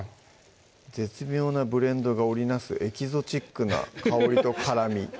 「絶妙なブレンドが織りなすエキゾチックな香りと辛み」